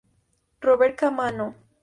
Roberto Caamaño.